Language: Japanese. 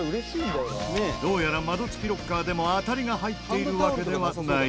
どうやら窓付きロッカーでも当たりが入っているわけではないようだ。